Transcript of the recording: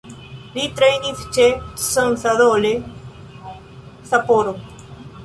Li trejnis ĉe Consadole Sapporo.